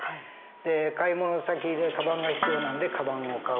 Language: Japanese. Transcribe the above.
で買い物先でカバンが必要なんでカバンを買う。